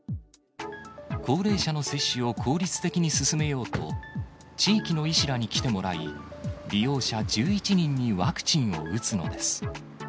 高齢者の接種を効率的に進めようと、地域の医師らに来てもらい、利用者１１人にワクチンを打つのです。